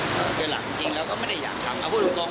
แต่ถ้าอยากจะตีเขาก็ไม่ได้อย่างนี้หรอก